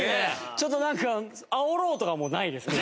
ちょっとなんかあおろうとかもないですけど。